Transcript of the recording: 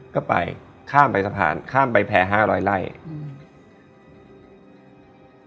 ก็ไปข้ามไปสะพานข้ามไปแพ้ห้าร้อยไล่อืม